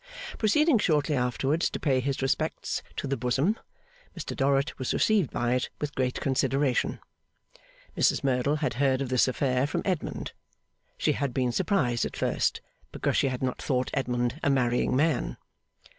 Proceeding shortly afterwards to pay his respects to the Bosom, Mr Dorrit was received by it with great consideration. Mrs Merdle had heard of this affair from Edmund. She had been surprised at first, because she had not thought Edmund a marrying man.